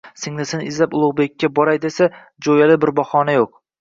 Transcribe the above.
Singlisini izlab Ulug‘bekka boray desa, jo‘yali bir bahona yo‘q